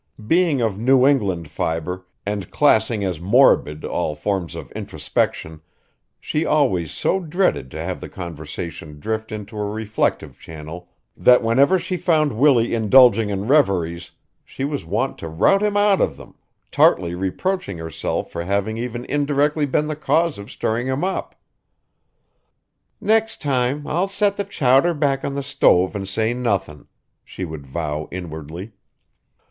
Being of New England fiber, and classing as morbid all forms of introspection, she always so dreaded to have the conversation drift into a reflective channel that whenever she found Willie indulging in reveries she was wont to rout him out of them, tartly reproaching herself for having even indirectly been the cause of stirrin' him up. "Next time I'll set the chowder back on the stove an' say nothin'," she would vow inwardly.